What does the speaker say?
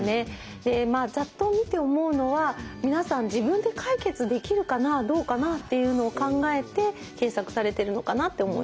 でまあざっと見て思うのは皆さん自分で解決できるかなどうかなっていうのを考えて検索されてるのかなって思いました。